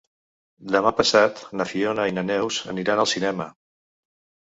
Demà passat na Fiona i na Neus aniran al cinema.